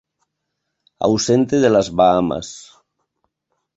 Ausente de las Bahamas.